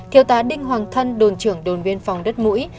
thiếu tá đinh hoàng thân đồn trưởng đồn biên phòng đất mũi